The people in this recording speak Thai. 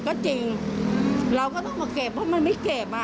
ก็จริงเราก็ต้องมาเก็บเพราะมันไม่เก็บอ่ะ